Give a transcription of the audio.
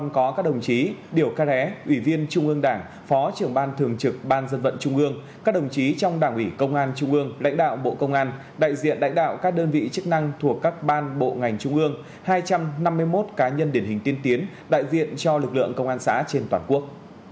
các đồng chí trong đảng ủy công an trung ương lãnh đạo bộ công an đại diện đại đạo các đơn vị chức năng thuộc các ban bộ ngành trung ương hai trăm năm mươi một cá nhân điển hình tiên tiến đại diện cho lực lượng công an xã trên toàn quốc